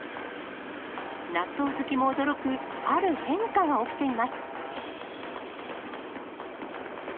納豆好きも驚く、ある変化が起きています。